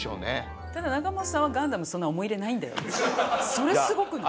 それすごくない？